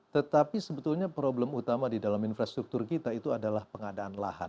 tetapi sebetulnya problem utama di dalam infrastruktur kita itu adalah pengadaan lahan